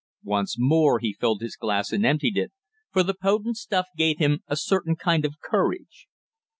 Once more he filled his glass and emptied it, for the potent stuff gave him a certain kind of courage.